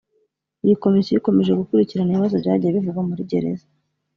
Iyi komisiyo ikomeje gukukirirana ibibazo byagiye bivugwa muri gereza